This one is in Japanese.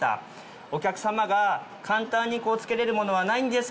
お客さまが簡単に着けれるものはないんですか？